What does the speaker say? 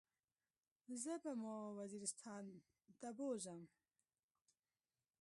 زه به مو وزيرستان له بوزم.